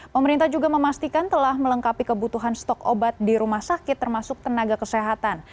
pemerintah juga memastikan telah melengkapi kebutuhan stok obat di rumah sakit termasuk tenaga kesehatan